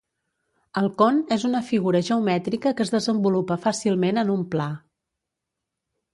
El con és una figura geomètrica que es desenvolupa fàcilment en un pla.